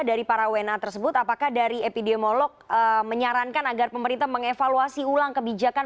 dari para wna tersebut apakah dari epidemiolog menyarankan agar pemerintah mengevaluasi ulang kebijakan